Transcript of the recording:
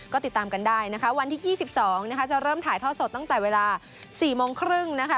ก็ติดตามกันได้นะคะวันที่๒๒นะคะจะเริ่มถ่ายท่อสดตั้งแต่เวลา๔โมงครึ่งนะคะ